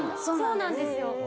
そうなんですよ。